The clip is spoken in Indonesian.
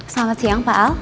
selamat siang pak al